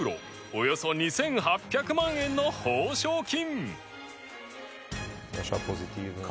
およそ２８００万円の報奨金。